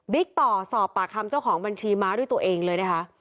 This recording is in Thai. ต่อสอบปากคำเจ้าของบัญชีม้าด้วยตัวเองเลยนะคะ